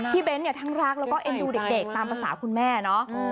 เบ้นเนี่ยทั้งรักแล้วก็เอ็นดูเด็กตามภาษาคุณแม่เนาะ